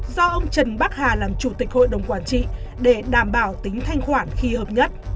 do ông trần bắc hà làm chủ tịch hội đồng quản trị để đảm bảo tính thanh khoản khi hợp nhất